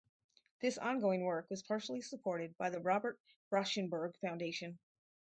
This ongoing work was partially supported by the Robert Rauschenberg Foundation.